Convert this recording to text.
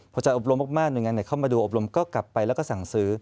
พอจะอบรมมากหน่วยงานไหนเข้ามาดูอบรมก็กลับไปแล้วก็สั่งซื้อ